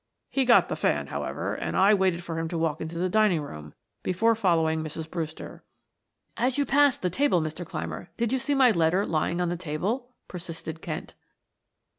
He got the fan, however, and I waited for him to walk into the dining room before following Mrs. Brewster." "As you passed the table, Mr. Clymer, did you see my letter lying on the table?" persisted Kent.